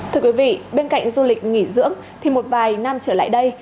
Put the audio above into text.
thưa quý vị bên cạnh du lịch nghỉ dưỡng thì một vài năm trở lại đây